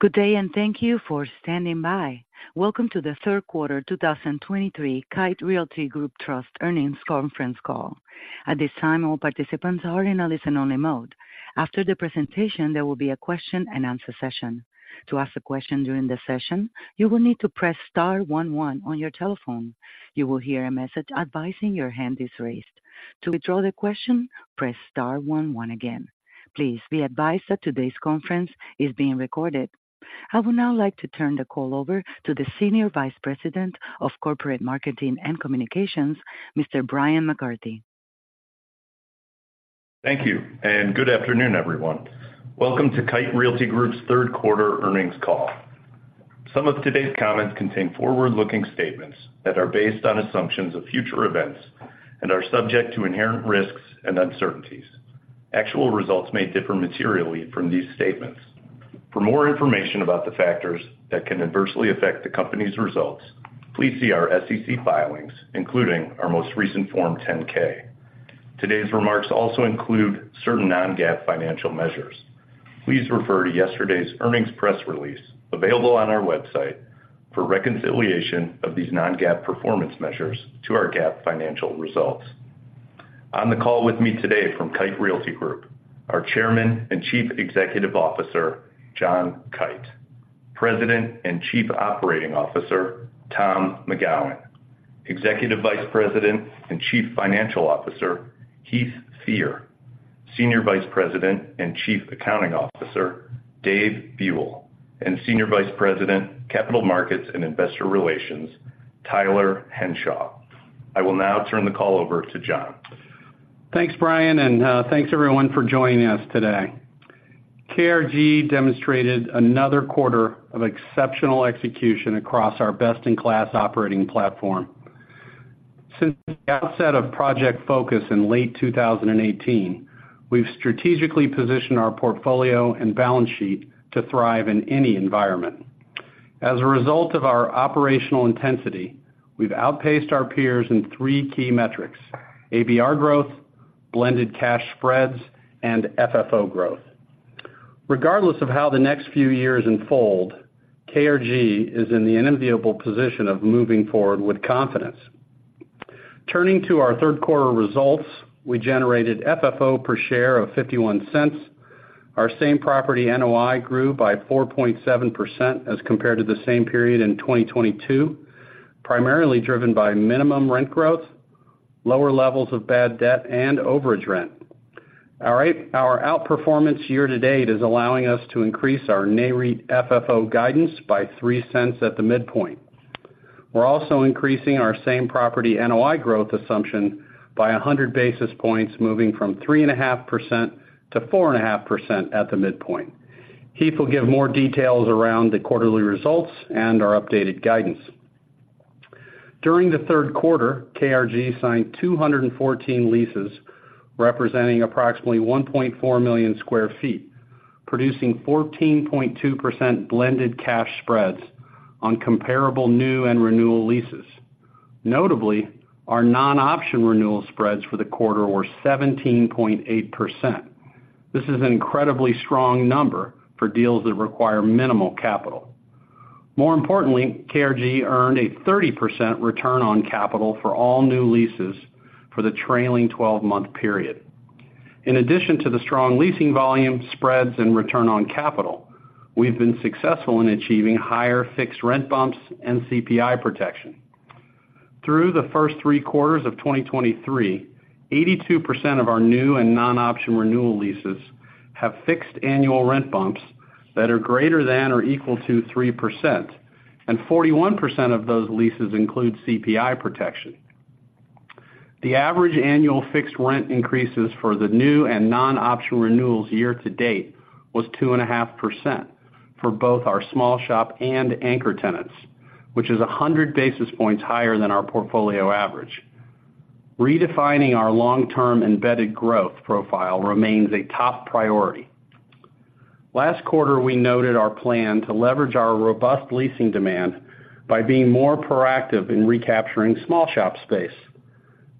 Good day, and thank you for standing by. Welcome to the third quarter 2023 Kite Realty Group Trust Earnings Conference Call. At this time, all participants are in a listen-only mode. After the presentation, there will be a question-and-answer session. To ask a question during the session, you will need to press star one one on your telephone. You will hear a message advising your hand is raised. To withdraw the question, press star one one again. Please be advised that today's conference is being recorded. I would now like to turn the call over to the Senior Vice President of Corporate Marketing and Communications, Mr. Bryan McCarthy. Thank you, and good afternoon, everyone. Welcome to Kite Realty Group's third quarter earnings call. Some of today's comments contain forward-looking statements that are based on assumptions of future events and are subject to inherent risks and uncertainties. Actual results may differ materially from these statements. For more information about the factors that can adversely affect the company's results, please see our SEC filings, including our most recent Form 10-K. Today's remarks also include certain non-GAAP financial measures. Please refer to yesterday's earnings press release, available on our website, for reconciliation of these non-GAAP performance measures to our GAAP financial results. On the call with me today from Kite Realty Group, our Chairman and Chief Executive Officer, John Kite, President and Chief Operating Officer, Tom McGowan, Executive Vice President and Chief Financial Officer, Heath Fear, Senior Vice President and Chief Accounting Officer, Dave Buell, and Senior Vice President, Capital Markets and Investor Relations, Tyler Henshaw. I will now turn the call over to John. Thanks, Brian, and thanks, everyone, for joining us today. KRG demonstrated another quarter of exceptional execution across our best-in-class operating platform. Since the outset of Project Focus in late 2018, we've strategically positioned our portfolio and balance sheet to thrive in any environment. As a result of our operational intensity, we've outpaced our peers in three key metrics: ABR growth, blended cash spreads, and FFO growth. Regardless of how the next few years unfold, KRG is in the enviable position of moving forward with confidence. Turning to our third quarter results, we generated FFO per share of $0.51. Our same property NOI grew by 4.7% as compared to the same period in 2022, primarily driven by minimum rent growth, lower levels of bad debt, and overage rent. Our outperformance year to date is allowing us to increase our NAREIT FFO guidance by $0.03 at the midpoint. We're also increasing our same property NOI growth assumption by 100 basis points, moving from 3.5%-4.5% at the midpoint. Heath will give more details around the quarterly results and our updated guidance. During the third quarter, KRG signed 214 leases, representing approximately 1.4 million sq ft, producing 14.2% blended cash spreads on comparable new and renewal leases. Notably, our non-option renewal spreads for the quarter were 17.8%. This is an incredibly strong number for deals that require minimal capital. More importantly, KRG earned a 30% return on capital for all new leases for the trailing 12 month period. In addition to the strong leasing volume, spreads, and return on capital, we've been successful in achieving higher fixed rent bumps and CPI protection. Through the first three quarters of 2023, 82% of our new and non-option renewal leases have fixed annual rent bumps that are greater than or equal to 3%, and 41% of those leases include CPI protection. The average annual fixed rent increases for the new and non-option renewals year to date was 2.5% for both our small shop and anchor tenants, which is a hundred basis points higher than our portfolio average. Redefining our long-term embedded growth profile remains a top priority. Last quarter, we noted our plan to leverage our robust leasing demand by being more proactive in recapturing small shop space.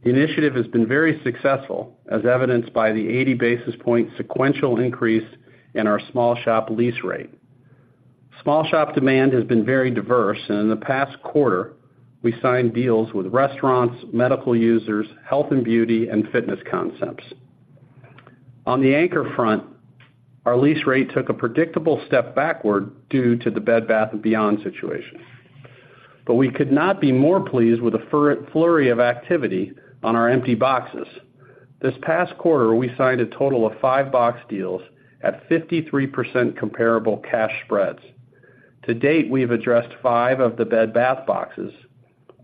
The initiative has been very successful, as evidenced by the 80 basis points sequential increase in our small shop lease rate. Small shop demand has been very diverse, and in the past quarter, we signed deals with restaurants, medical users, health and beauty, and fitness concepts. On the anchor front, our lease rate took a predictable step backward due to the Bed Bath & Beyond situation. But we could not be more pleased with the flurry of activity on our empty boxes. This past quarter, we signed a total of five box deals at 53% comparable cash spreads. To date, we have addressed five of the Bed Bath boxes,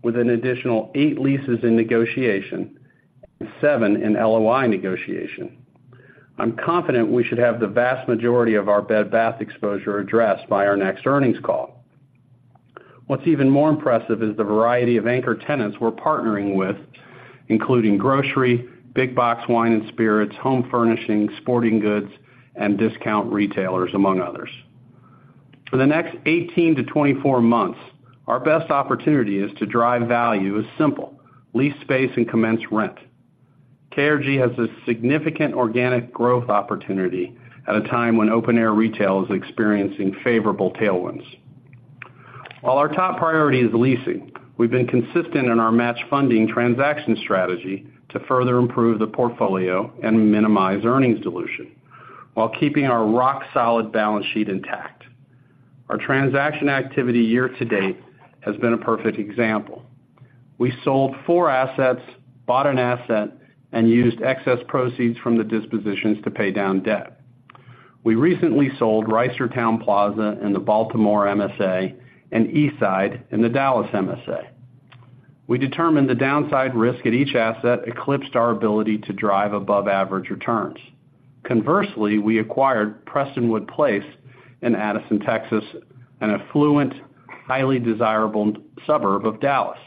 with an additional eight leases in negotiation and seven in LOI negotiation. I'm confident we should have the vast majority of our Bed Bath exposure addressed by our next earnings call. What's even more impressive is the variety of anchor tenants we're partnering with, including grocery, big box wine and spirits, home furnishings, sporting goods, and discount retailers, among others. For the next 18-24 months, our best opportunity is to drive value is simple: lease space and commence rent. KRG has a significant organic growth opportunity at a time when open-air retail is experiencing favorable tailwinds. While our top priority is leasing, we've been consistent in our match funding transaction strategy to further improve the portfolio and minimize earnings dilution, while keeping our rock-solid balance sheet intact. Our transaction activity year-to-date has been a perfect example. We sold four assets, bought an asset, and used excess proceeds from the dispositions to pay down debt. We recently sold Reisterstown Plaza in the Baltimore MSA and Eastside in the Dallas MSA. We determined the downside risk at each asset eclipsed our ability to drive above-average returns. Conversely, we acquired Prestonwood Place in Addison, Texas, an affluent, highly desirable suburb of Dallas.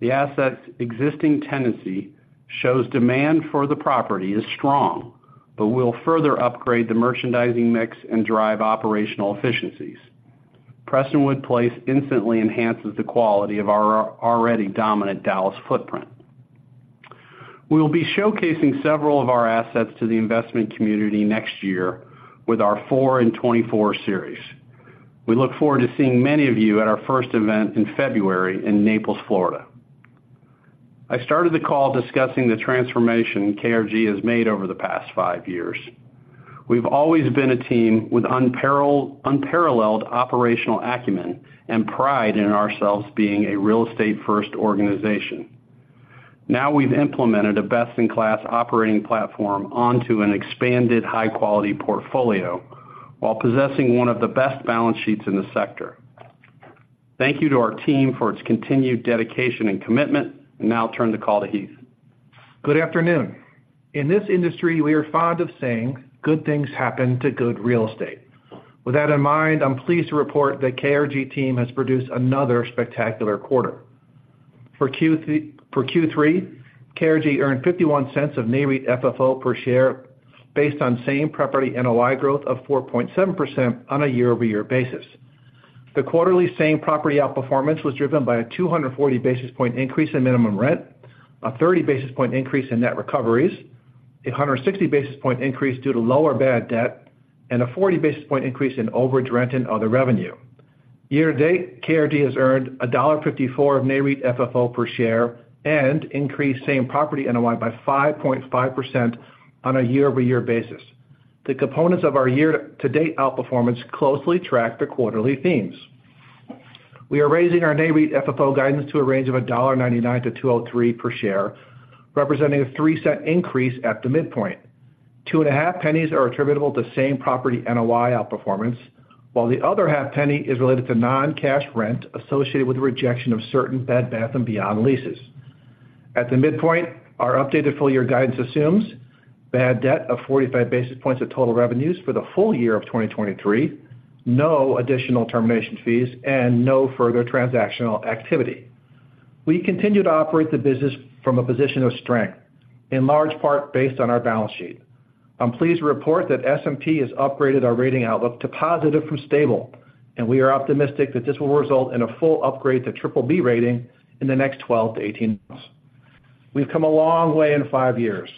The asset's existing tenancy shows demand for the property is strong, but we'll further upgrade the merchandising mix and drive operational efficiencies. Prestonwood Place instantly enhances the quality of our already dominant Dallas footprint. We will be showcasing several of our assets to the investment community next year with our Tour in 24 series. We look forward to seeing many of you at our first event in February in Naples, Florida. I started the call discussing the transformation KRG has made over the past five years. We've always been a team with unparalleled operational acumen and pride in ourselves being a real estate-first organization. Now, we've implemented a best-in-class operating platform onto an expanded high-quality portfolio, while possessing one of the best balance sheets in the sector. Thank you to our team for its continued dedication and commitment. I now turn the call to Heath. Good afternoon. In this industry, we are fond of saying, "Good things happen to good real estate." With that in mind, I'm pleased to report that KRG team has produced another spectacular quarter. For Q3, KRG earned $0.51 of NAREIT FFO per share, based on same property NOI growth of 4.7% on a year-over-year basis. The quarterly same property outperformance was driven by a 240 basis point increase in minimum rent, a 30 basis point increase in net recoveries, a 160 basis point increase due to lower bad debt, and a 40 basis point increase in overage rent and other revenue. Year-to-date, KRG has earned $1.54 of NAREIT FFO per share and increased same property NOI by 5.5% on a year-over-year basis. The components of our year-to-date outperformance closely track the quarterly themes. We are raising our NAREIT FFO guidance to a range of $1.99-$2.03 per share, representing a $0.03 increase at the midpoint. 2.5 pennies are attributable to Same Property NOI outperformance, while the other 0.5 penny is related to non-cash rent associated with the rejection of certain Bed Bath & Beyond leases. At the midpoint, our updated full year guidance assumes bad debt of 45 basis points of total revenues for the full year of 2023, no additional termination fees, and no further transactional activity. We continue to operate the business from a position of strength, in large part based on our balance sheet. I'm pleased to report that S&P has upgraded our rating outlook to positive from stable, and we are optimistic that this will result in a full upgrade to BBB rating in the next 12-18 months. We've come a long way in five years,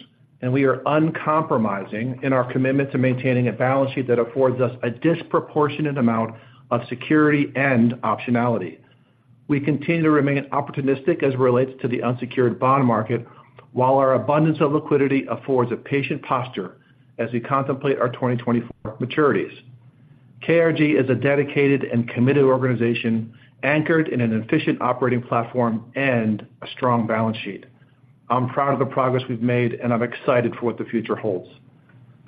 and we are uncompromising in our commitment to maintaining a balance sheet that affords us a disproportionate amount of security and optionality. We continue to remain opportunistic as it relates to the unsecured bond market, while our abundance of liquidity affords a patient posture as we contemplate our 2024 maturities. KRG is a dedicated and committed organization, anchored in an efficient operating platform and a strong balance sheet. I'm proud of the progress we've made, and I'm excited for what the future holds.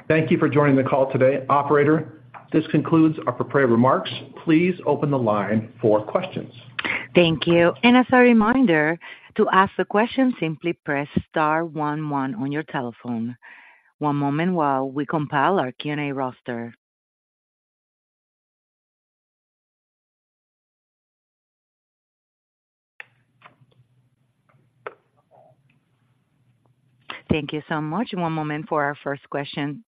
Thank you for joining the call today. Operator, this concludes our prepared remarks. Please open the line for questions. Thank you. As a reminder, to ask a question, simply press star one, one on your telephone. One moment while we compile our Q&A roster. Thank you so much. One moment for our first question,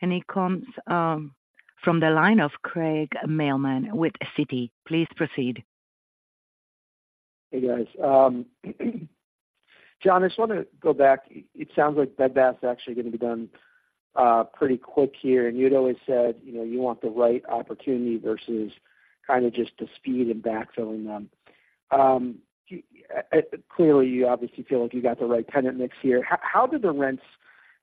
and it comes from the line of Craig Mailman with Citi. Please proceed. Hey, guys. John, I just want to go back. It sounds like Bed Bath's actually going to be done pretty quick here, and you'd always said, you know, you want the right opportunity versus kind of just the speed and backfilling them. Clearly, you obviously feel like you got the right tenant mix here. How did the rents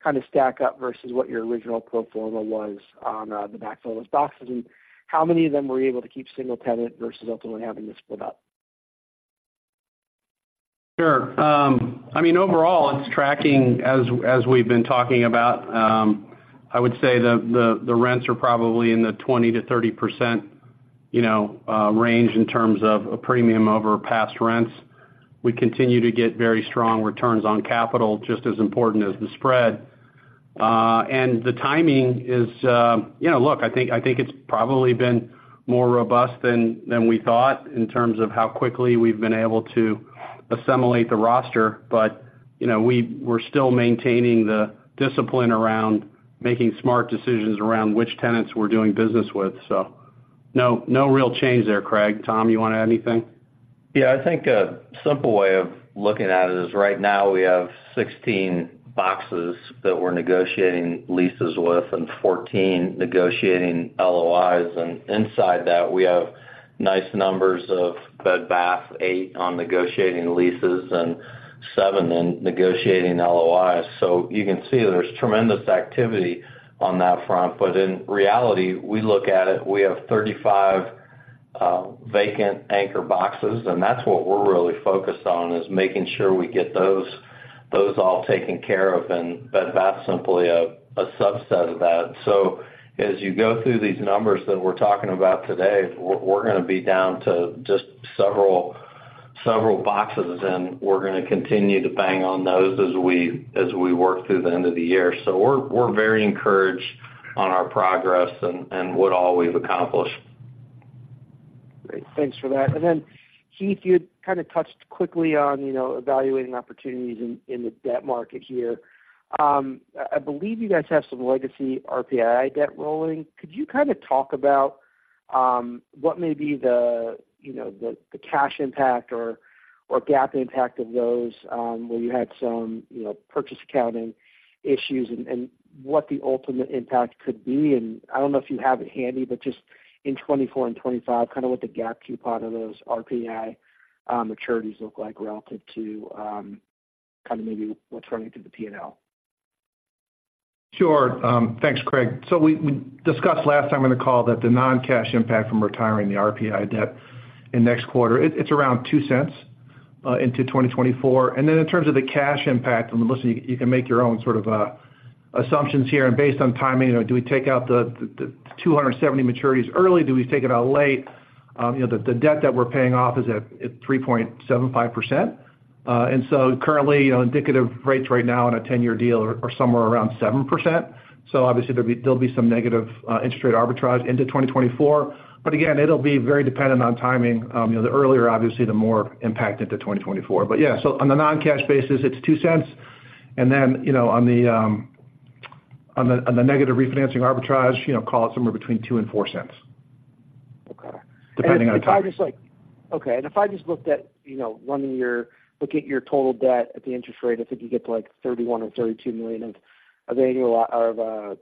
kind of stack up versus what your original pro forma was on the backfill those boxes? And how many of them were you able to keep single tenant versus ultimately having to split up? Sure. I mean, overall, it's tracking as, as we've been talking about. I would say the, the, the rents are probably in the 20%-30%, you know, range in terms of a premium over past rents. We continue to get very strong returns on capital, just as important as the spread. And the timing is... You know, look, I think, I think it's probably been more robust than, than we thought in terms of how quickly we've been able to assimilate the roster, but, you know, we- we're still maintaining the discipline around making smart decisions around which tenants we're doing business with. So no, no real change there, Craig. Tom, you want to add anything?... Yeah, I think a simple way of looking at it is right now we have 16 boxes that we're negotiating leases with and 14 negotiating LOIs, and inside that, we have nice numbers of Bed Bath, eight on negotiating leases and seven in negotiating LOIs. So you can see there's tremendous activity on that front, but in reality, we look at it, we have 35 vacant anchor boxes, and that's what we're really focused on, is making sure we get those, those all taken care of, and Bed Bath's simply a subset of that. So as you go through these numbers that we're talking about today, we're, we're gonna be down to just several, several boxes, and we're gonna continue to bang on those as we, as we work through the end of the year. We're very encouraged on our progress and what all we've accomplished. Great. Thanks for that. And then, Heath, you kind of touched quickly on, you know, evaluating opportunities in the debt market here. I believe you guys have some legacy RPI debt rolling. Could you kind of talk about what may be the, you know, the cash impact or GAAP impact of those, where you had some, you know, purchase accounting issues and what the ultimate impact could be? And I don't know if you have it handy, but just in 2024 and 2025, kind of what the GAAP coupon of those RPI maturities look like relative to, kind of maybe what's running through the P&L. Sure. Thanks, Craig. So we discussed last time in the call that the non-cash impact from retiring the RPI debt in next quarter, it's around $0.02 into 2024. And then in terms of the cash impact, and listen, you can make your own sort of assumptions here, and based on timing, you know, do we take out the $270 maturities early? Do we take it out late? You know, the debt that we're paying off is at 3.75%. And so currently, you know, indicative rates right now on a 10-year deal are somewhere around 7%. So obviously, there'll be some negative interest rate arbitrage into 2024. But again, it'll be very dependent on timing. You know, the earlier, obviously, the more impact into 2024. But yeah, so on the non-cash basis, it's $0.02. And then, you know, on the negative refinancing arbitrage, you know, call it somewhere between $0.02 and $0.04. Okay. Depending on timing. If I just like—okay, and if I just looked at, you know, looking at your total debt at the interest rate, I think you get to, like, $31 million or $32 million of annual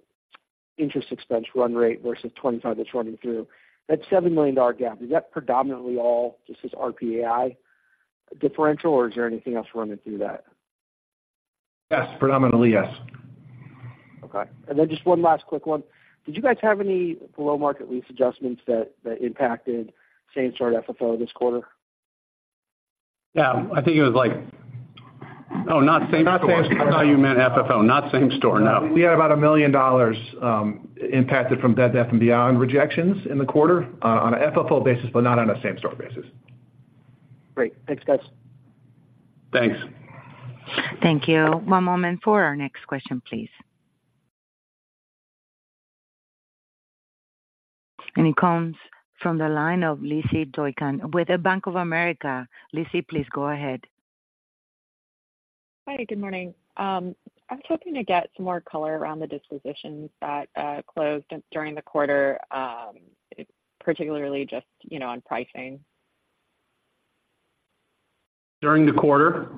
interest expense run rate versus $25 million that's running through. That's $7 million dollar gap. Is that predominantly all just this RPI differential, or is there anything else running through that? Yes, predominantly, yes. Okay. And then just one last quick one. Did you guys have any below-market lease adjustments that impacted same-store FFO this quarter? Yeah, I think it was like... Oh, not same-store. Not same store. I thought you meant FFO, not same store. No. We had about $1 million impacted from Bed Bath & Beyond rejections in the quarter, on a FFO basis, but not on a same-store basis. Great. Thanks, guys. Thanks. Thank you. One moment for our next question, please. It comes from the line of Lizzy Doykan with the Bank of America. Lizzie, please go ahead. Hi, good morning. I was hoping to get some more color around the dispositions that closed during the quarter, particularly just, you know, on pricing. During the quarter?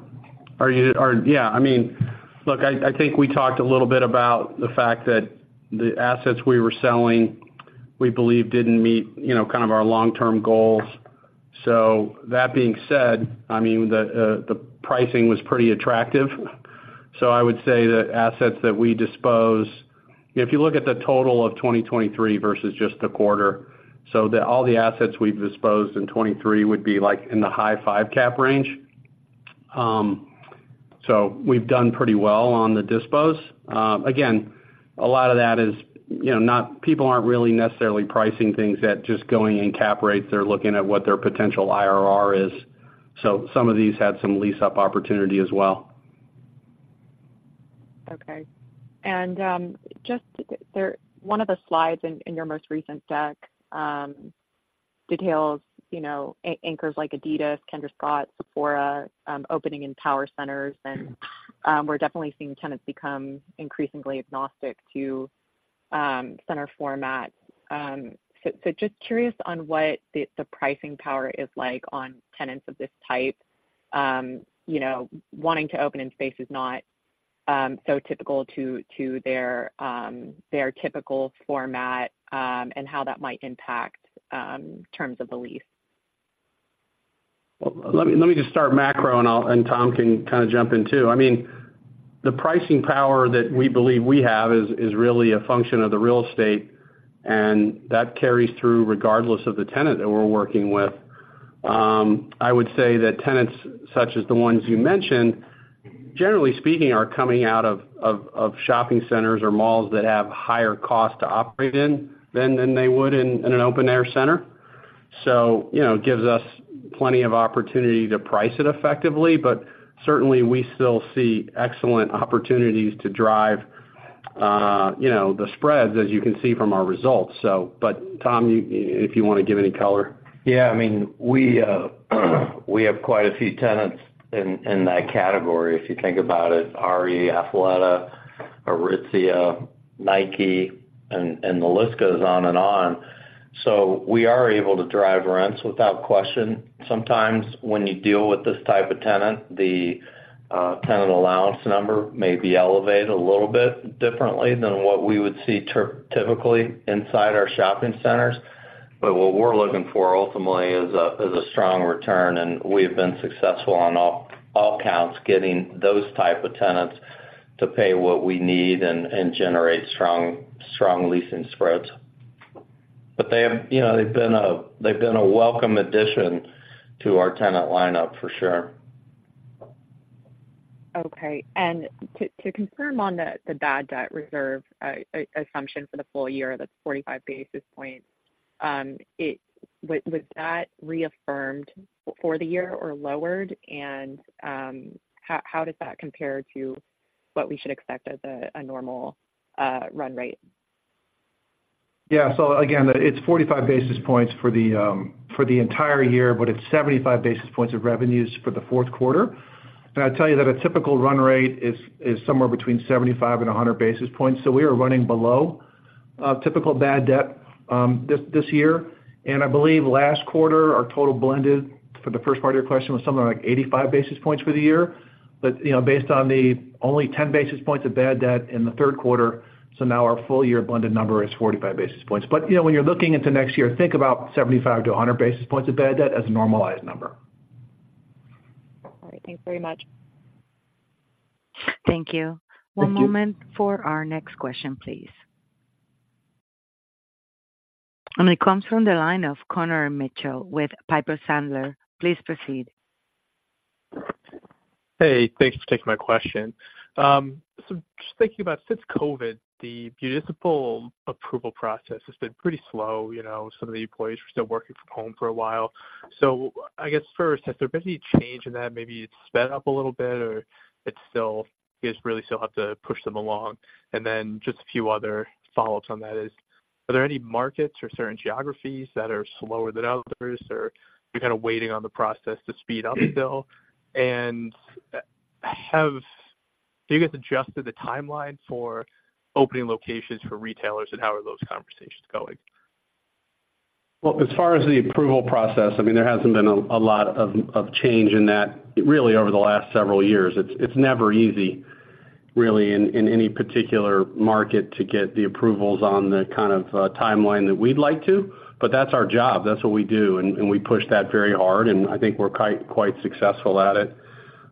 Yeah, I mean, look, I, I think we talked a little bit about the fact that the assets we were selling, we believe didn't meet, you know, kind of our long-term goals. So that being said, I mean, the, the pricing was pretty attractive. So I would say that assets that we dispose, if you look at the total of 2023 versus just the quarter, so the, all the assets we've disposed in 2023 would be, like, in the high 5 cap range. So we've done pretty well on the dispose. Again, a lot of that is, you know, not people aren't really necessarily pricing things at just going in cap rates. They're looking at what their potential IRR is. So some of these had some lease-up opportunity as well. Okay. And just there, one of the slides in your most recent deck details, you know, anchors like Adidas, Kendra Scott, Sephora opening in power centers, and we're definitely seeing tenants become increasingly agnostic to center format. So just curious on what the pricing power is like on tenants of this type, you know, wanting to open in spaces not so typical to their typical format, and how that might impact in terms of the lease. Well, let me, let me just start macro, and I'll, and Tom can kind of jump in, too. I mean, the pricing power that we believe we have is, is really a function of the real estate, and that carries through regardless of the tenant that we're working with. I would say that tenants, such as the ones you mentioned, generally speaking, are coming out of, of, of shopping centers or malls that have higher cost to operate in than, than they would in, in an open-air center. So, you know, it gives us plenty of opportunity to price it effectively, but certainly, we still see excellent opportunities to drive, you know, the spreads, as you can see from our results. So, but, Tom, you, if you want to give any color? Yeah, I mean, we have quite a few tenants in that category. If you think about it, REI, Athleta.... Aritzia, Nike, and the list goes on and on. So we are able to drive rents without question. Sometimes when you deal with this type of tenant, the tenant allowance number may be elevated a little bit differently than what we would see typically inside our shopping centers. But what we're looking for ultimately is a strong return, and we've been successful on all counts, getting those type of tenants to pay what we need and generate strong leasing spreads. But they have, you know, they've been a welcome addition to our tenant lineup for sure. Okay. And to confirm on the bad debt reserve assumption for the full year, that's 45 basis points. Was that reaffirmed for the year or lowered? And how does that compare to what we should expect as a normal run rate? Yeah. So again, it's 45 basis points for the entire year, but it's 75 basis points of revenues for the fourth quarter. And I'd tell you that a typical run rate is somewhere between 75 and 100 basis points. So we are running below typical bad debt this year. And I believe last quarter, our total blended, for the first part of your question, was something like 85 basis points for the year. But, you know, based on the only 10 basis points of bad debt in the third quarter, so now our full year blended number is 45 basis points. But, you know, when you're looking into next year, think about 75-100 basis points of bad debt as a normalized number. All right. Thanks very much. Thank you. Thank you. One moment for our next question, please. It comes from the line of Connor Mitchell with Piper Sandler. Please proceed. Hey, thanks for taking my question. So just thinking about since COVID, the municipal approval process has been pretty slow. You know, some of the employees were still working from home for a while. So I guess first, has there been any change in that? Maybe it's sped up a little bit, or it's still, you guys really still have to push them along. And then just a few other follow-ups on that is, are there any markets or certain geographies that are slower than others, or you're kind of waiting on the process to speed up still? And, have you guys adjusted the timeline for opening locations for retailers, and how are those conversations going? Well, as far as the approval process, I mean, there hasn't been a lot of change in that really over the last several years. It's never easy, really, in any particular market to get the approvals on the kind of timeline that we'd like to, but that's our job, that's what we do, and we push that very hard, and I think we're quite successful at it.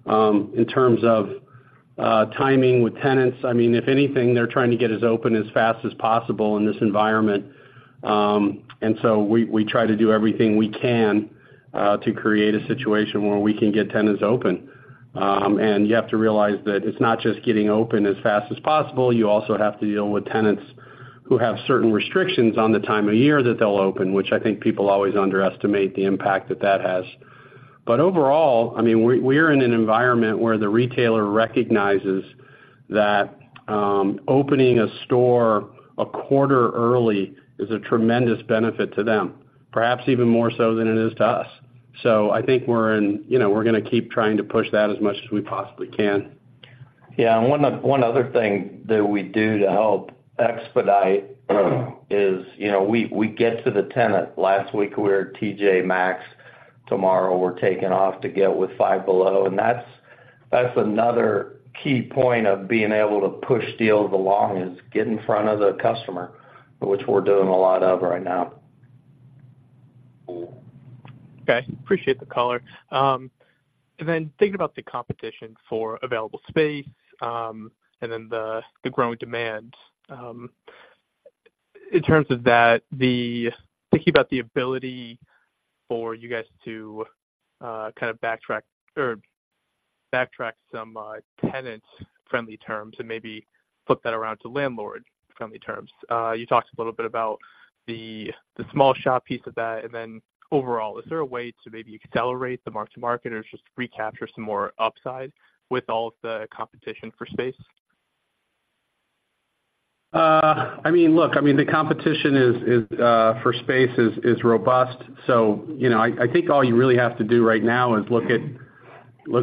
In terms of timing with tenants, I mean, if anything, they're trying to get us open as fast as possible in this environment. And so we try to do everything we can to create a situation where we can get tenants open. And you have to realize that it's not just getting open as fast as possible, you also have to deal with tenants who have certain restrictions on the time of year that they'll open, which I think people always underestimate the impact that that has. But overall, I mean, we, we're in an environment where the retailer recognizes that, opening a store a quarter early is a tremendous benefit to them, perhaps even more so than it is to us. So I think we're in, you know, we're gonna keep trying to push that as much as we possibly can. Yeah, and one other thing that we do to help expedite is, you know, we get to the tenant. Last week, we were at TJ Maxx. Tomorrow, we're taking off to get with Five Below, and that's another key point of being able to push deals along is get in front of the customer, which we're doing a lot of right now. Okay, appreciate the color. And then thinking about the competition for available space, and then the growing demand, in terms of that, thinking about the ability for you guys to, kind of backtrack some, tenant-friendly terms and maybe flip that around to landlord-friendly terms. You talked a little bit about the small shop piece of that, and then overall, is there a way to maybe accelerate the mark to market or just recapture some more upside with all of the competition for space? I mean, look, I mean, the competition for space is robust. So, you know, I think all you really have to do right now is look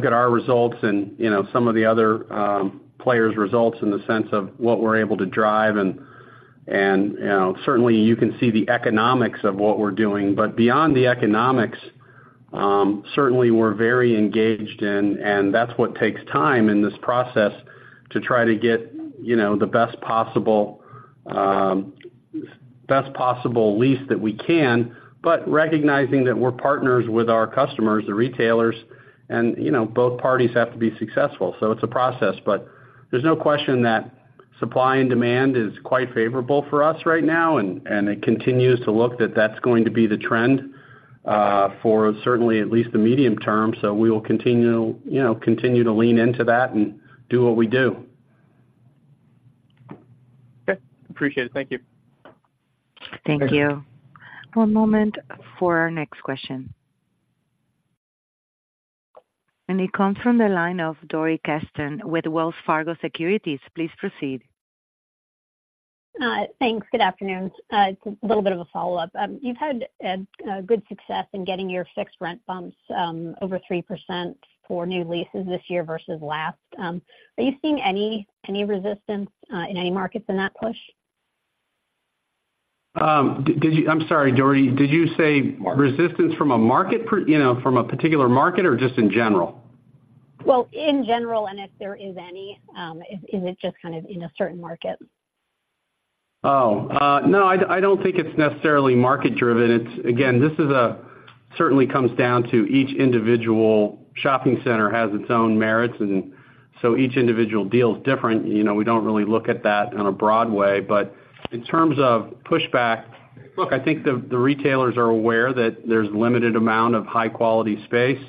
at our results and, you know, some of the other players' results in the sense of what we're able to drive. And, you know, certainly, you can see the economics of what we're doing. But beyond the economics, certainly, we're very engaged, and that's what takes time in this process to try to get, you know, the best possible lease that we can, but recognizing that we're partners with our customers, the retailers, and, you know, both parties have to be successful. It's a process, but there's no question that supply and demand is quite favorable for us right now, and it continues to look that that's going to be the trend, for certainly at least the medium term. We will continue, you know, continue to lean into that and do what we do. Okay, appreciate it. Thank you. Thank you. One moment for our next question. It comes from the line of Dori Kesten with Wells Fargo Securities. Please proceed.... Thanks. Good afternoon. It's a little bit of a follow-up. You've had a good success in getting your fixed rent bumps over 3% for new leases this year versus last. Are you seeing any resistance in any markets in that push? Did you, I'm sorry, Dori, did you say resistance from a market per, you know, from a particular market or just in general? Well, in general, and if there is any, is it just kind of in a certain market? No, I don't think it's necessarily market driven. It's again, certainly comes down to each individual shopping center has its own merits, and so each individual deal is different. You know, we don't really look at that in a broad way. But in terms of pushback, look, I think the retailers are aware that there's limited amount of high-quality space.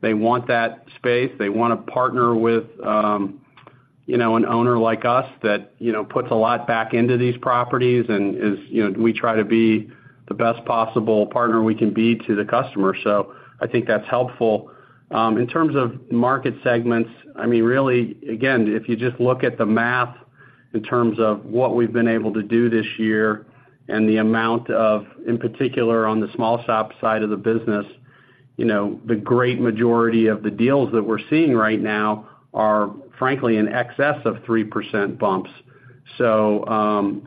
They want that space. They want to partner with, you know, an owner like us that, you know, puts a lot back into these properties and is, you know, we try to be the best possible partner we can be to the customer. So I think that's helpful. In terms of market segments, I mean, really, again, if you just look at the math in terms of what we've been able to do this year and the amount of, in particular, on the small shop side of the business, you know, the great majority of the deals that we're seeing right now are, frankly, in excess of 3% bumps. So,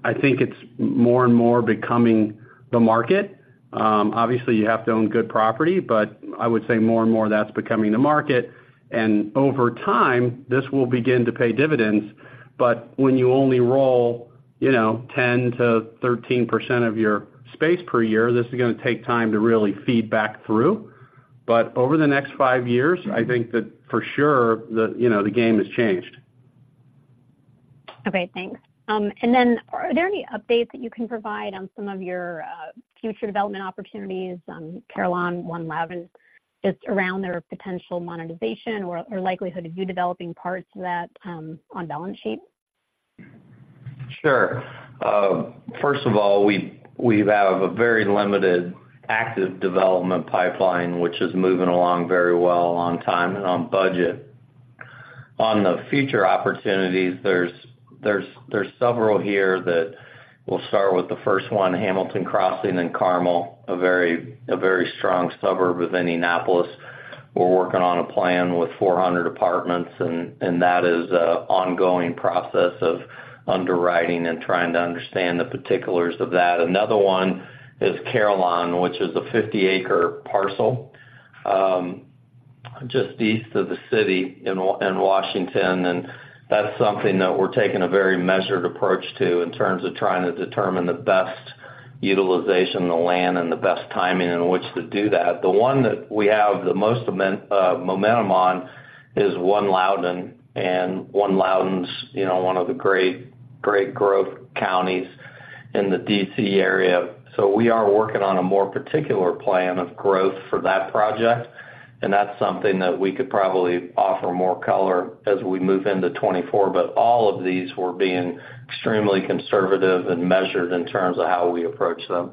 I think it's more and more becoming the market. Obviously, you have to own good property, but I would say more and more that's becoming the market. And over time, this will begin to pay dividends. But when you only roll, you know, 10%-13% of your space per year, this is going to take time to really feed back through. But over the next five years, I think that for sure, the, you know, the game has changed. Okay, thanks. And then are there any updates that you can provide on some of your future development opportunities, Carillon, One Loudoun, just around their potential monetization or likelihood of you developing parts of that on balance sheet? Sure. First of all, we have a very limited active development pipeline, which is moving along very well on time and on budget. On the future opportunities, there are several here that we'll start with the first one, Hamilton Crossing in Carmel, a very strong suburb within Indianapolis. We're working on a plan with 400 apartments, and that is an ongoing process of underwriting and trying to understand the particulars of that. Another one is Carillon, which is a 50-acre parcel, just east of the city in Washington, and that's something that we're taking a very measured approach to in terms of trying to determine the best utilization of the land and the best timing in which to do that. The one that we have the most momentum on is One Loudoun, and One Loudoun's, you know, one of the great, great growth counties in the D.C. area. So we are working on a more particular plan of growth for that project, and that's something that we could probably offer more color as we move into 2024. But all of these, we're being extremely conservative and measured in terms of how we approach them.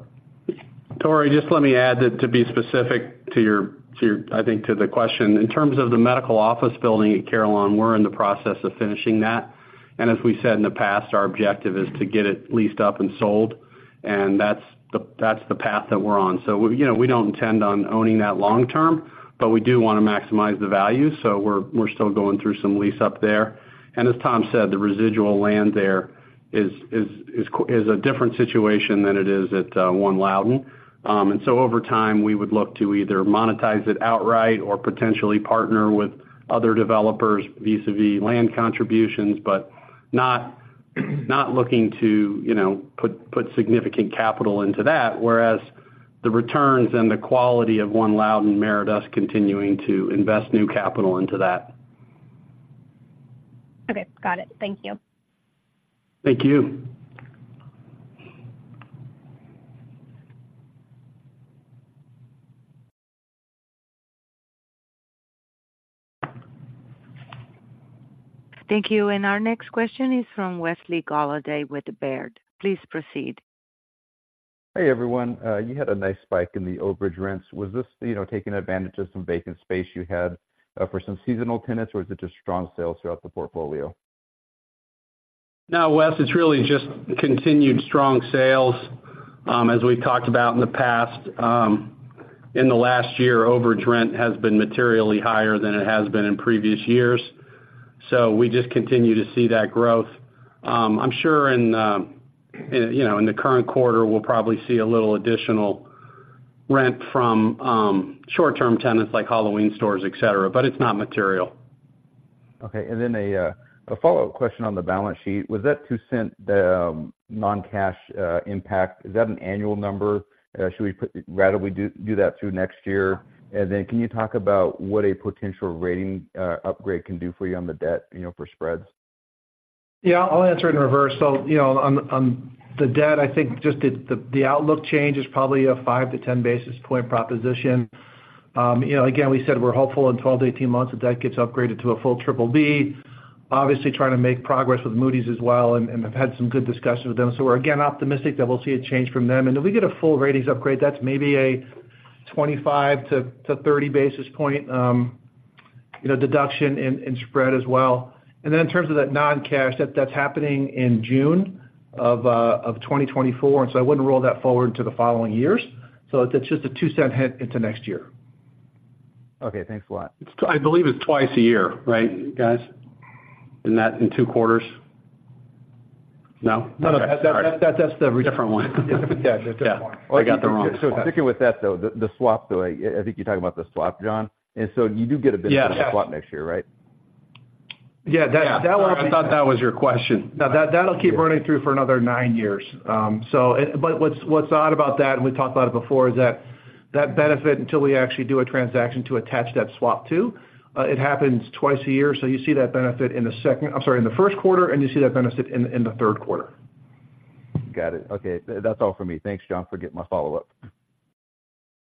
Dori, just let me add that to be specific to your, I think, to the question. In terms of the medical office building at Carillon, we're in the process of finishing that. And as we said in the past, our objective is to get it leased up and sold, and that's the path that we're on. So, you know, we don't intend on owning that long term, but we do want to maximize the value, so we're still going through some lease up there. And as Tom said, the residual land there is a different situation than it is at One Loudoun. And so over time, we would look to either monetize it outright or potentially partner with other developers vis-à-vis land contributions, but not looking to, you know, put significant capital into that, whereas the returns and the quality of One Loudoun merit us continuing to invest new capital into that. Okay, got it. Thank you. Thank you. Thank you. Our next question is from Wesley Golladay with Baird. Please proceed. Hey, everyone, you had a nice spike in the overage rents. Was this, you know, taking advantage of some vacant space you had, for some seasonal tenants, or is it just strong sales throughout the portfolio? No, Wes, it's really just continued strong sales. As we've talked about in the past, in the last year, overage rent has been materially higher than it has been in previous years. So we just continue to see that growth. I'm sure in, you know, in the current quarter, we'll probably see a little additional rent from, short-term tenants like Halloween stores, et cetera, but it's not material. Okay, and then a follow-up question on the balance sheet. Was that $0.02 non-cash impact, is that an annual number? Should we put-- rather, we do that through next year? And then can you talk about what a potential rating upgrade can do for you on the debt, you know, for spreads? Yeah, I'll answer in reverse. So, you know, on the debt, I think just the outlook change is probably a 5-10 basis point proposition. You know, again, we said we're hopeful in 12-18 months, the debt gets upgraded to a full BBB. Obviously, trying to make progress with Moody's as well, and have had some good discussions with them. So we're again optimistic that we'll see a change from them. And if we get a full ratings upgrade, that's maybe a 25-30 basis point.... you know, deduction in spread as well. And then in terms of that non-cash, that's happening in June of 2024, and so I wouldn't roll that forward to the following years. So it's just a $0.02 hit into next year. Okay, thanks a lot. I believe it's twice a year, right, guys? Isn't that in two quarters? No? No, no. That, that, that's the different one. Yeah, the different one. I got the wrong one. So sticking with that, though, the swap, though, I think you're talking about the swap, John. And so you do get a bit- Yeah. Of a swap next year, right? Yeah, that- I thought that was your question. No, that'll keep running through for another nine years. So, but what's odd about that, and we talked about it before, is that that benefit, until we actually do a transaction to attach that swap to, it happens twice a year. So you see that benefit in the second... I'm sorry, in the first quarter, and you see that benefit in the third quarter. Got it. Okay. That's all for me. Thanks, John, for getting my follow-up.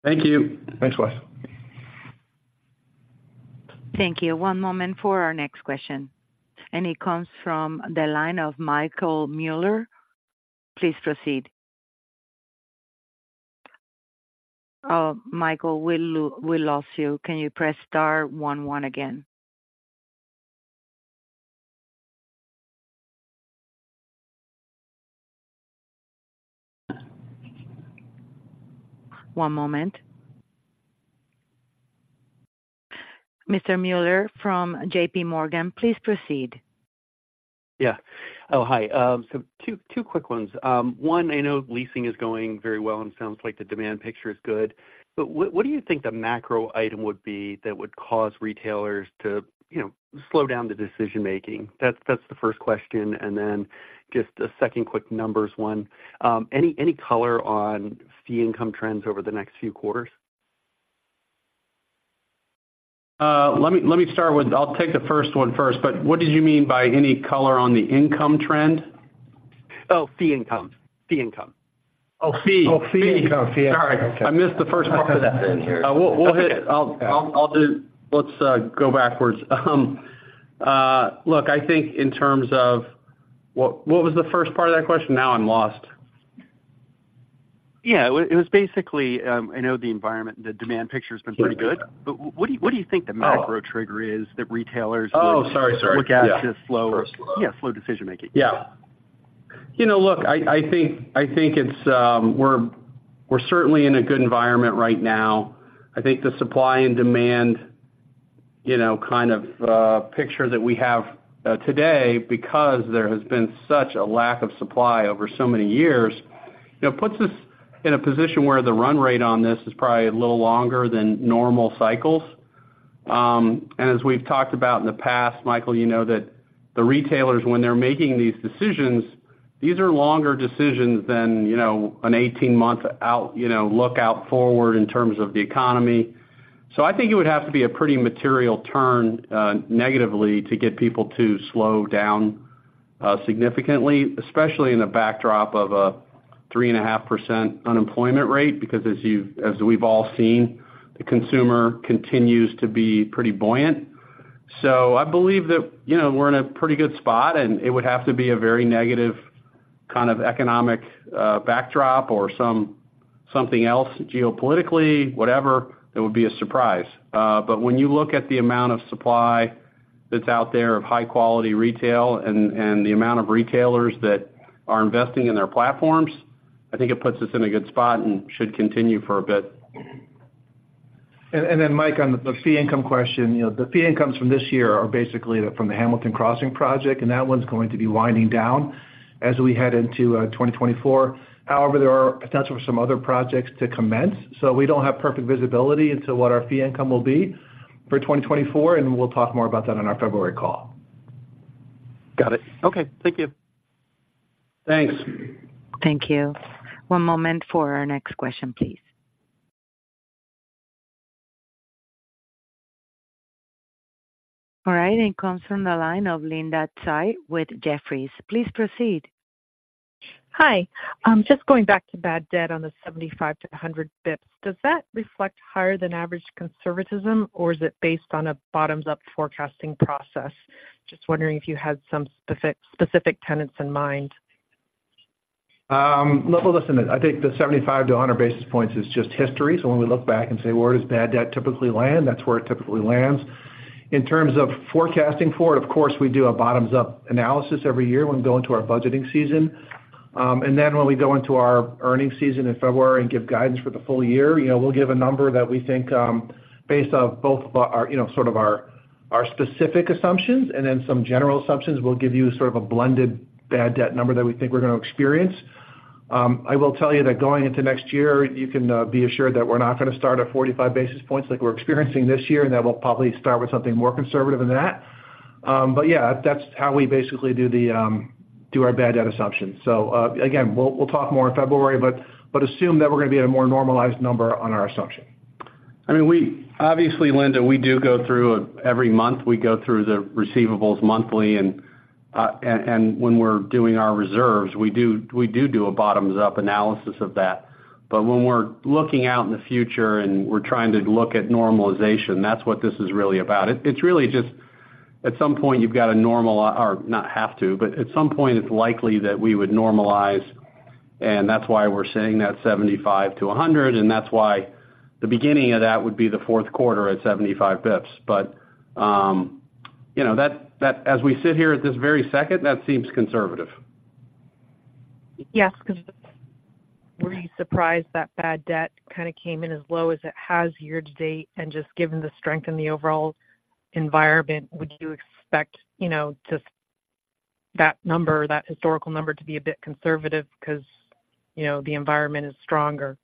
Thank you. Thanks, Wes. Thank you. One moment for our next question, and it comes from the line of Michael Mueller. Please proceed. Oh, Michael, we lost you. Can you press star one one again? One moment. Mr. Mueller from J.P. Morgan, please proceed. Yeah. Oh, hi. So two quick ones. One, I know leasing is going very well and sounds like the demand picture is good, but what do you think the macro item would be that would cause retailers to, you know, slow down the decision making? That's the first question. And then just a second quick numbers one, any color on fee income trends over the next few quarters? Let me, let me start with... I'll take the first one first, but what did you mean by any color on the income trend? Oh, fee income. Fee income. Oh, fee. Oh, fee income. Fee. Sorry, I missed the first part of that. In here. We'll hit... I'll, let's go backwards. Look, I think in terms of... What was the first part of that question? Now I'm lost. Yeah, it was, it was basically, I know the environment, the demand picture has been pretty good, but what do you, what do you think the macro trigger is that retailers- Oh, sorry, sorry. would look at to slow? Sure. Yeah, slow decision making. Yeah. You know, look, I think it's we're certainly in a good environment right now. I think the supply and demand, you know, kind of picture that we have today, because there has been such a lack of supply over so many years, you know, puts us in a position where the run rate on this is probably a little longer than normal cycles. And as we've talked about in the past, Michael, you know, that the retailers, when they're making these decisions, these are longer decisions than, you know, an 18-month out, you know, look out forward in terms of the economy. So I think it would have to be a pretty material turn negatively to get people to slow down significantly, especially in the backdrop of a 3.5% unemployment rate, because as we've all seen, the consumer continues to be pretty buoyant. So I believe that, you know, we're in a pretty good spot, and it would have to be a very negative kind of economic backdrop or something else, geopolitically, whatever, it would be a surprise. But when you look at the amount of supply that's out there of high-quality retail and the amount of retailers that are investing in their platforms, I think it puts us in a good spot and should continue for a bit. And then, Mike, on the fee income question, you know, the fee incomes from this year are basically from the Hamilton Crossing project, and that one's going to be winding down as we head into 2024. However, there are potential for some other projects to commence, so we don't have perfect visibility into what our fee income will be for 2024, and we'll talk more about that on our February call. Got it. Okay. Thank you. Thanks. Thank you. One moment for our next question, please. All right, and comes from the line of Linda Tsai with Jefferies. Please proceed. Hi. Just going back to bad debt on the 75-100 basis points, does that reflect higher than average conservatism, or is it based on a bottoms-up forecasting process? Just wondering if you had some specific tenants in mind. Well, listen, I think the 75-100 basis points is just history. So when we look back and say, where does bad debt typically land? That's where it typically lands. In terms of forecasting for it, of course, we do a bottoms-up analysis every year when we go into our budgeting season. And then when we go into our earnings season in February and give guidance for the full year, you know, we'll give a number that we think, based off both our, you know, sort of our, our specific assumptions and then some general assumptions, we'll give you sort of a blended bad debt number that we think we're going to experience. I will tell you that going into next year, you can be assured that we're not going to start at 45 basis points like we're experiencing this year, and that we'll probably start with something more conservative than that. But yeah, that's how we basically do our bad debt assumptions. So, again, we'll talk more in February, but assume that we're going to be at a more normalized number on our assumption. I mean, we, obviously, Linda, we do go through every month, we go through the receivables monthly and, and when we're doing our reserves, we do, we do do a bottoms-up analysis of that. But when we're looking out in the future and we're trying to look at normalization, that's what this is really about. It's really just at some point, you've got to normalize or not have to, but at some point, it's likely that we would normalize, and that's why we're saying that 75-100, and that's why the beginning of that would be the fourth quarter at 75 basis points. But, you know, that, that as we sit here at this very second, that seems conservative. Yes, because were you surprised that bad debt kind of came in as low as it has year-to-date? And just given the strength in the overall environment, would you expect, you know, just that number, that historical number to be a bit conservative because, you know, the environment is stronger?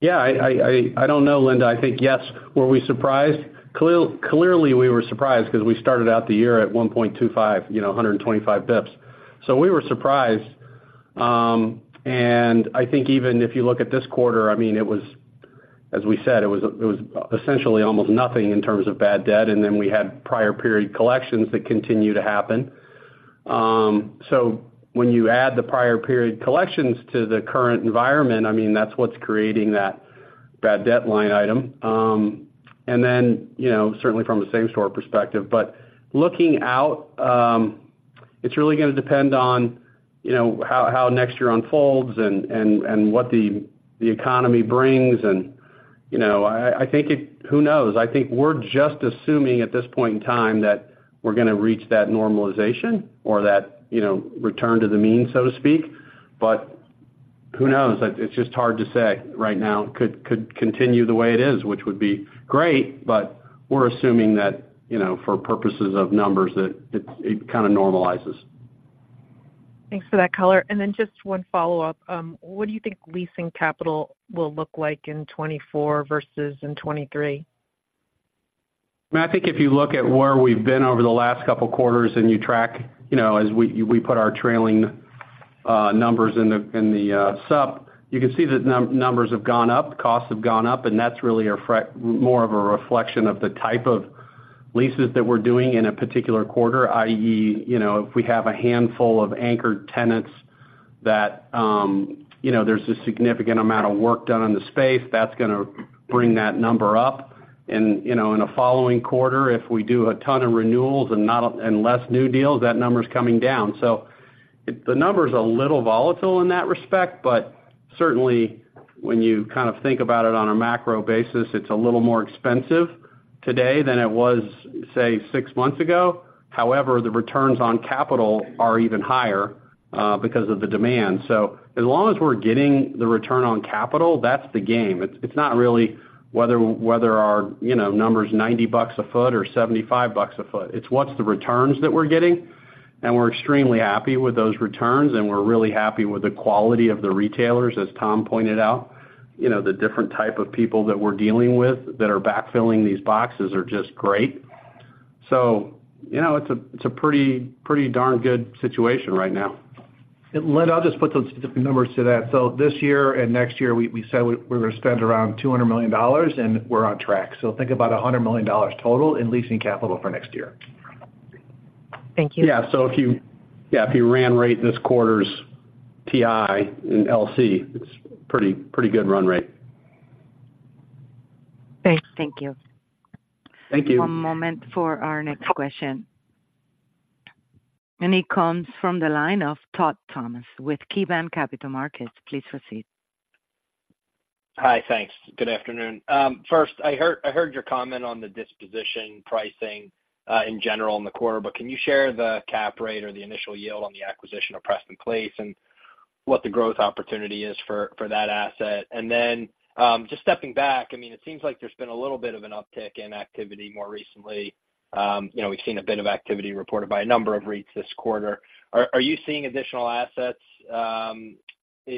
Yeah, I don't know, Linda. I think, yes. Were we surprised? Clearly, we were surprised because we started out the year at 1.25, you know, 125 basis points. So we were surprised. And I think even if you look at this quarter, I mean, it was, as we said, it was essentially almost nothing in terms of bad debt, and then we had prior period collections that continue to happen. So when you add the prior period collections to the current environment, I mean, that's what's creating that bad debt line item. And then, you know, certainly from a same store perspective. But looking out, it's really going to depend on, you know, how next year unfolds and what the economy brings. And, you know, I think it—who knows? I think we're just assuming at this point in time, that we're going to reach that normalization or that, you know, return to the mean, so to speak. But who knows? It's just hard to say right now. Could continue the way it is, which would be great, but we're assuming that, you know, for purposes of numbers, that it kind of normalizes. Thanks for that color. And then just one follow-up. What do you think leasing capital will look like in 2024 versus in 2023? I think if you look at where we've been over the last couple of quarters and you track, you know, as we put our trailing numbers in the sup, you can see that numbers have gone up, costs have gone up, and that's really more of a reflection of the type of leases that we're doing in a particular quarter, i.e., you know, if we have a handful of anchored tenants that, you know, there's a significant amount of work done on the space, that's going to bring that number up. And, you know, in a following quarter, if we do a ton of renewals and less new deals, that number is coming down. So the number is a little volatile in that respect, but certainly, when you kind of think about it on a macro basis, it's a little more expensive today than it was, say, six months ago. However, the returns on capital are even higher, because of the demand. So as long as we're getting the return on capital, that's the game. It's, it's not really whether, whether our, you know, number is $90 a foot or $75 a foot. It's what's the returns that we're getting, and we're extremely happy with those returns, and we're really happy with the quality of the retailers, as Tom pointed out. You know, the different type of people that we're dealing with that are backfilling these boxes are just great. So, you know, it's a, it's a pretty, pretty darn good situation right now. And Lynn, I'll just put those specific numbers to that. So this year and next year, we, we said we, we're going to spend around $200 million, and we're on track. So think about $100 million total in leasing capital for next year. Thank you. Yeah. So if you run rate this quarter's TI and LC, it's pretty, pretty good run rate. Great. Thank you. Thank you. One moment for our next question. It comes from the line of Todd Thomas with KeyBanc Capital Markets. Please proceed. Hi, thanks. Good afternoon. First, I heard, I heard your comment on the disposition pricing in general in the quarter, but can you share the cap rate or the initial yield on the acquisition of Prestonwood Place and what the growth opportunity is for that asset? And then, just stepping back, I mean, it seems like there's been a little bit of an uptick in activity more recently. You know, we've seen a bit of activity reported by a number of REITs this quarter. Are you seeing additional assets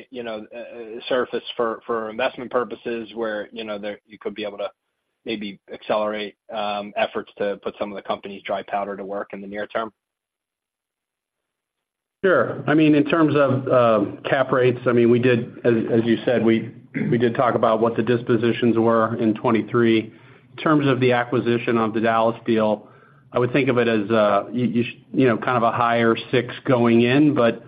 you know surface for investment purposes, where you could be able to maybe accelerate efforts to put some of the company's dry powder to work in the near term? Sure. I mean, in terms of cap rates, I mean, as you said, we did talk about what the dispositions were in 2023. In terms of the acquisition of the Dallas deal, I would think of it as a, you know, kind of a higher six going in, but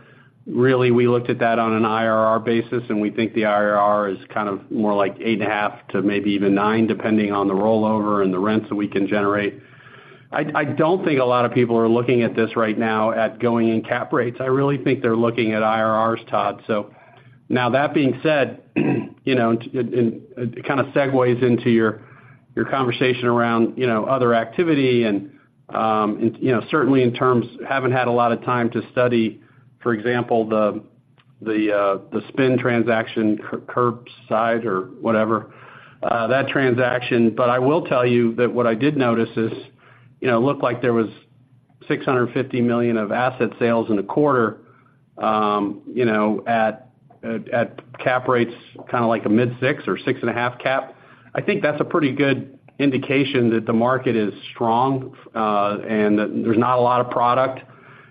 really, we looked at that on an IRR basis, and we think the IRR is kind of more like 8.5 to maybe even nine, depending on the rollover and the rents that we can generate. I don't think a lot of people are looking at this right now at going in cap rates. I really think they're looking at IRRs, Todd. So now, that being said, you know, it kind of segues into your conversation around, you know, other activity, and, you know, certainly in terms—haven't had a lot of time to study, for example, the spin transaction, Curb side or whatever, that transaction. But I will tell you that what I did notice is, you know, it looked like there was $650 million of asset sales in a quarter, you know, at cap rates, kind of like a mid-6% or 6.5% cap. I think that's a pretty good indication that the market is strong, and that there's not a lot of product.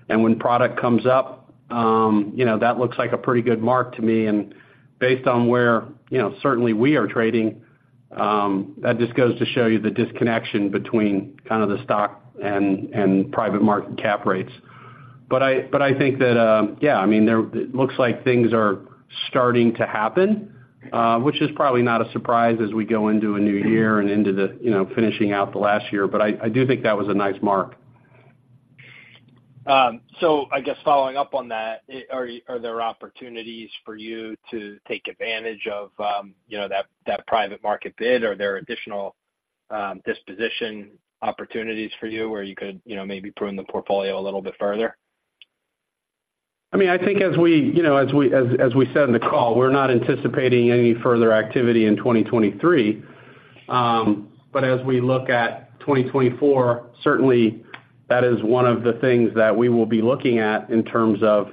And when product comes up, you know, that looks like a pretty good mark to me. Based on where, you know, certainly we are trading, that just goes to show you the disconnection between kind of the stock and, and private market cap rates. But I, but I think that, yeah, I mean, it looks like things are starting to happen, which is probably not a surprise as we go into a new year and into the, you know, finishing out the last year. But I, I do think that was a nice mark. So I guess following up on that, are there opportunities for you to take advantage of, you know, that private market bid? Are there additional disposition opportunities for you where you could, you know, maybe prune the portfolio a little bit further? I mean, I think as we, you know, as we said in the call, we're not anticipating any further activity in 2023. But as we look at 2024, certainly that is one of the things that we will be looking at in terms of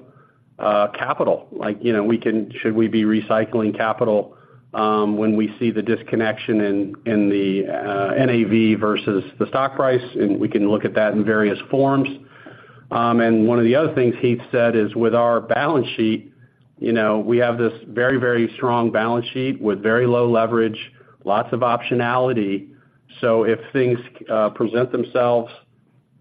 capital. Like, you know, we can, should we be recycling capital, when we see the disconnection in the NAV versus the stock price, and we can look at that in various forms. And one of the other things Heath said is, with our balance sheet, you know, we have this very, very strong balance sheet with very low leverage, lots of optionality. So if things present themselves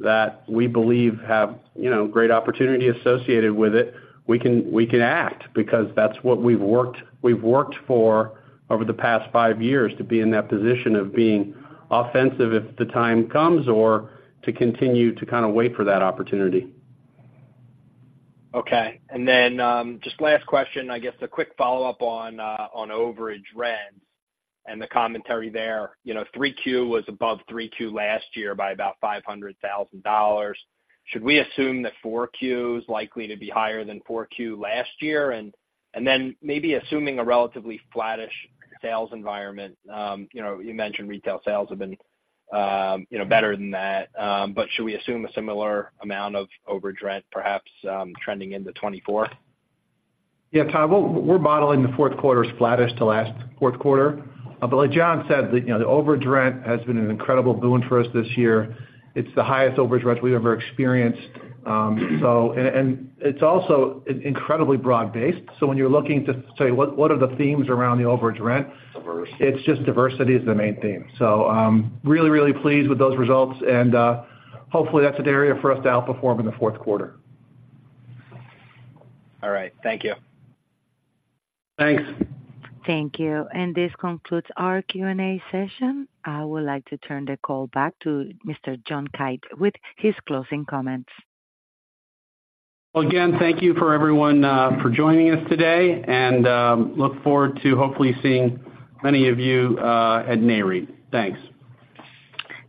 that we believe have, you know, great opportunity associated with it, we can, we can act because that's what we've worked, we've worked for over the past five years to be in that position of being offensive if the time comes or to continue to kind of wait for that opportunity. Okay. And then, just last question, I guess a quick follow-up on, on overage rents and the commentary there. You know, three Q was above three Q last year by about $500,000. Should we assume that four Q is likely to be higher than four Q last year? And, then maybe assuming a relatively flattish sales environment, you know, you mentioned retail sales have been, you know, better than that, but should we assume a similar amount of overage rent, perhaps, trending into 2024? Yeah, Todd, we're modeling the fourth quarter as flattish to last fourth quarter. But like John said, you know, the overage rent has been an incredible boon for us this year. It's the highest overage rent we've ever experienced, so... And it's also incredibly broad-based. So when you're looking to say, what are the themes around the overage rent? Diversity. It's just diversity is the main theme. So, really, really pleased with those results, and, hopefully, that's an area for us to outperform in the fourth quarter. All right. Thank you. Thanks. Thank you. This concludes our Q&A session. I would like to turn the call back to Mr. John Kite with his closing comments. Well, again, thank you for everyone for joining us today, and look forward to hopefully seeing many of you at NAREIT. Thanks.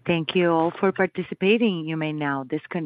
Thank you all for participating. You may now disconnect.